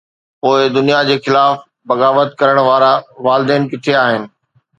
پوءِ دنيا جي خلاف بغاوت ڪرڻ وارا، والدين ڪٿي آهن؟